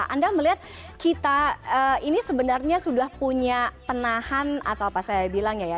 anda melihat kita ini sebenarnya sudah punya penahan atau apa saya bilang ya